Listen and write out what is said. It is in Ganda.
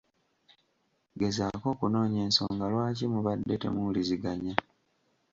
Gezaako okunoonya ensonga lwaki mubadde temuwuliziganya.